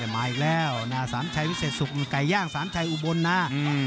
มาอีกแล้วนะสามชัยวิเศษสุขมันไก่ย่างสามชัยอุบลนะ